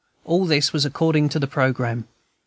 All this was according to the programme.